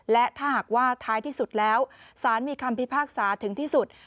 และถ้าหากว่าท้ายที่สุดแล้วสารมีคำพิพากษาถึงที่สุด